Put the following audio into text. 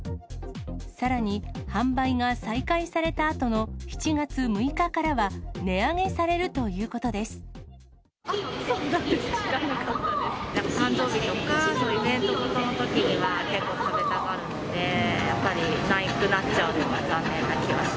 さらに、販売が再開されたあとの７月６日からは、値上げされるということあっ、そうなんですか、知らなかったです。